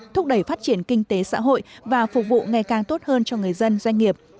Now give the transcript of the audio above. thúc đẩy phát triển kinh tế xã hội và phục vụ ngày càng tốt hơn cho người dân doanh nghiệp